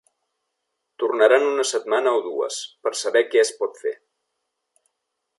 Tornarà en una setmana o dues, per saber què es pot fer.